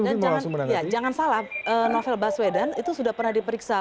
novel baswedan itu sudah pernah diperiksa